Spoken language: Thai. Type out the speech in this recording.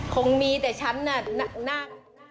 คงมีแต่ฉันน่ะ